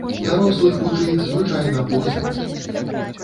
Дарослых вучыць звычайна позна.